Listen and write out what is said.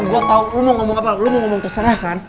gue tau lu ngomong apa lu mau ngomong terserah kan